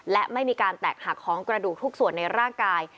และไม่มีการแตกหักของกระดูกทุกส่วนในร่างกาย